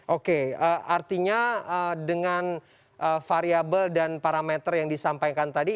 oke artinya dengan variable dan parameter yang disampaikan tadi